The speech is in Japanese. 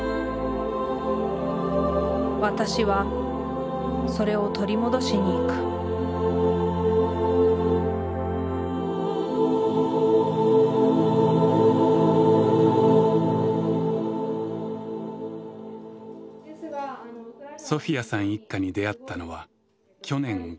私はそれを取り戻しにいくソフィヤさん一家に出会ったのは去年５月。